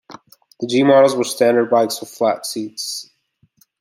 The G models were standard bikes with flat seats.